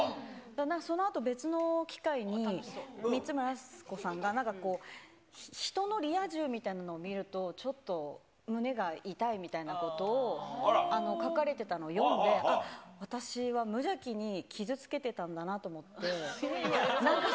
なんかそのあと別に、光浦靖子さんが、人のリア充みたいのを見ると、ちょっと胸が痛いみたいなことを書かれてたのを読んで、あっ、私は無邪気に傷つけてたんだなと思って、なんか。